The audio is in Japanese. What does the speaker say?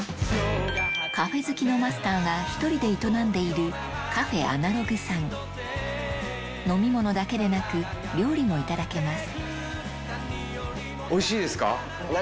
カフェ好きのマスターが１人で営んでいる飲み物だけでなく料理もいただけます